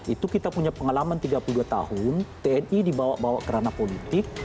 itu kita punya pengalaman tiga puluh dua tahun tni dibawa bawa kerana politik